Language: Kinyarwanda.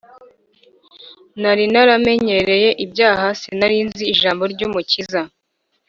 Nari naramenyereye ibyaha sinarinzi ijambo ryumukiza